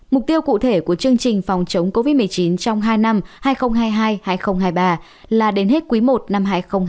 mục tiêu cụ thể của chương trình phòng chống covid một mươi chín trong hai năm hai nghìn hai mươi hai hai nghìn hai mươi ba là đến hết quý i năm hai nghìn hai mươi bốn